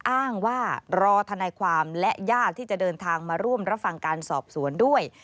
อ้างว่ารอธนายความและญาติที่จะเดินทางมาร่วมรับฟังการสอบสวนด้วย